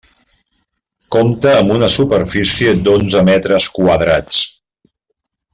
Compta amb una superfície d'onze metres quadrats.